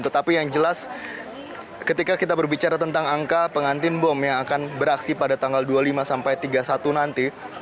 tetapi yang jelas ketika kita berbicara tentang angka pengantin bom yang akan beraksi pada tanggal dua puluh lima sampai tiga puluh satu nanti